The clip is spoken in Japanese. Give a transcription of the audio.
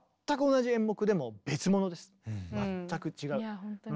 いや本当に。